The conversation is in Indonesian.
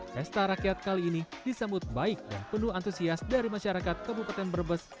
pesta rakyat kali ini disambut baik dan penuh antusias dari masyarakat kabupaten brebes